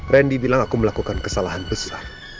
randy bilang aku melakukan kesalahan besar